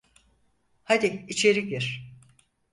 Hadi içeri gir.